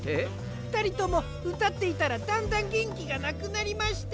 ふたりともうたっていたらだんだんげんきがなくなりました。